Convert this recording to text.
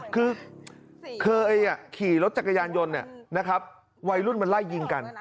คือเคยขี่รถจักรยานยนต์นะครับวัยรุ่นมันไล่ยิงกัน